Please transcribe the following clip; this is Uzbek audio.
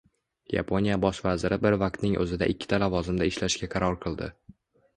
Yaponiya bosh vaziri bir vaqtning o‘zida ikkita lavozimda ishlashga qaror qildi